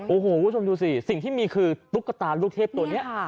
โอ้โหชมดูสิสิ่งที่มีคือตุ๊กตาลูกเทพตัวเนี่ย